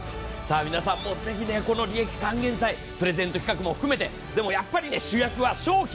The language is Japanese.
皆さんぜひこの利益還元祭、プレゼントも含めてでも、やっぱり主役は商品。